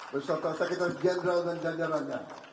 bersama sekretaris general dan jajarannya